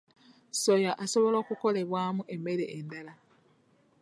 Soya asobola okukolebwamu emmere endala.